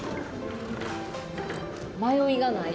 迷いがない。